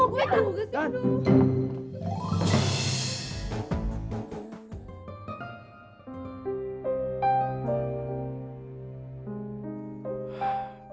aduh gue terbuka sih